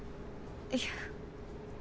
いや。